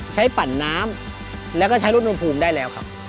ใช้ปั่นน้ำและก็ใช้รถโน้นพูมได้แล้วครับ